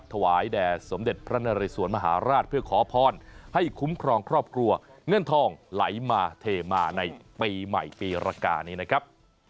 ถวายแด่สมเด็จพระนเรสวนมหาราชเพื่อขอพรให้คุ้มครองครอบครัวเงินทองไหลมาเทมาในปีใหม่ปีรกานี้นะครับ